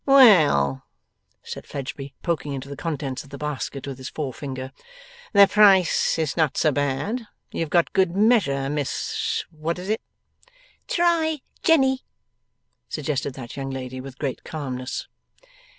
'Well,' said Fledgeby, poking into the contents of the basket with his forefinger, 'the price is not so bad. You have got good measure, Miss What is it.' 'Try Jenny,' suggested that young lady with great calmness.